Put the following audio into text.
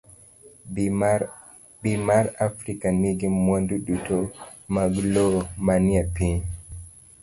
B. mar Afrika nigi mwandu duto mag lowo manie piny.